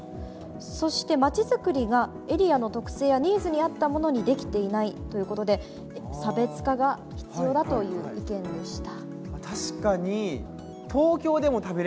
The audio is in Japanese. そしてまちづくりがエリアの特性やニーズにあったものにできていないということで差別化が必要だという意見でした。